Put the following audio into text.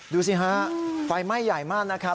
ดูสิฮะไฟไหม้ใหญ่มากนะครับ